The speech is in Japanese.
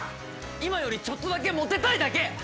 今よりちょっとだけモテたいだけ！